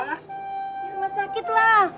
rumah sakit lah